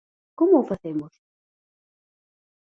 ¿Como o facemos?